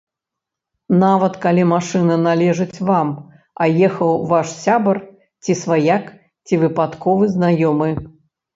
Нават калі машына належыць вам, а ехаў ваш сябар, ці сваяк, ці выпадковы знаёмы.